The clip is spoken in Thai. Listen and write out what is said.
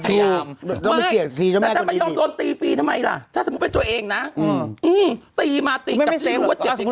ไม่ถ้าไม่ยอมโดนตีฟรีทำไมล่ะถ้าสมมุติเป็นตัวเองนะตีมาตีกกับที่รู้ว่าเจ็บเจ็บไง